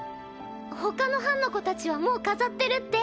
ほかの班の子たちはもう飾ってるって。